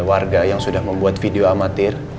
warga yang sudah membuat video amatir